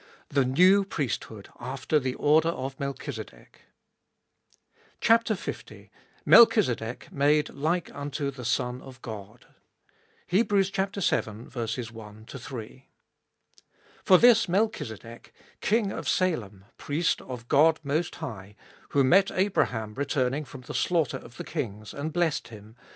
The New Priesthood after the Order of Melchizedek. L. MELCHIZEDEK MADE LIKE UNTO THE SON OF GOD. VII.— 1. For this Melchizedek, king of Salem, priest of God Most High, who met Abraham returning from the slaughter of the kings, and blessed him, 2.